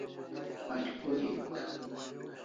Mashkul hik